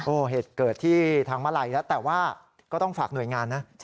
โอ้โหเหตุเกิดที่ทางมาลัยแล้วแต่ว่าก็ต้องฝากหน่วยงานนะ